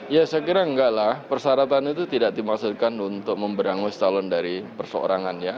ya saya kira enggak lah persyaratan itu tidak dimaksudkan untuk memberangus calon dari perseorangan ya